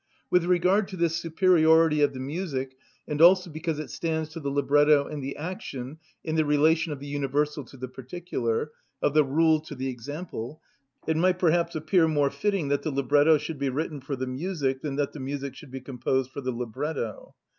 With regard to this superiority of the music, and also because it stands to the libretto and the action in the relation of the universal to the particular, of the rule to the example, it might perhaps appear more fitting that the libretto should be written for the music than that the music should be composed for the libretto.